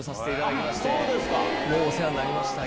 お世話になりました。